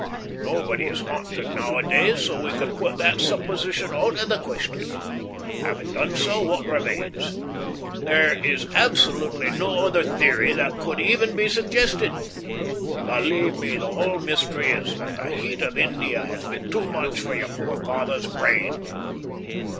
Nobody is haunted nowadays, so we can put that supposition out of the question. Having done so, what remains? There is absolutely no other theory which could even be suggested. Believe me, the whole mystery is that the heat of India has been too much for your poor father's brain."